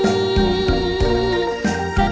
ขอบคุณครับ